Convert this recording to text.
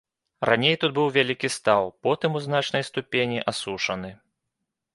Раней тут быў вялікі стаў, потым у значнай ступені асушаны.